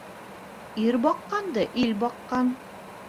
Ир баҡҡанды ил баҡҡан